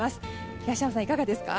東山さん、いかがですか？